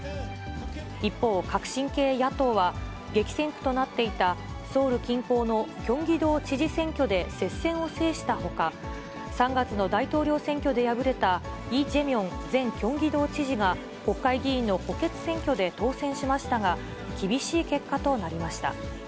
一方、革新系野党は、激戦区となっていたソウル近郊のキョンギ道知事選挙で接戦を制したほか、３月の大統領選挙で敗れたイ・ジェミョン前キョンギ道知事が、国会議員の補欠選挙で当選しましたが、厳しい結果となりました。